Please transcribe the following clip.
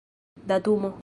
datumo